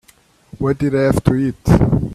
What did they have to eat?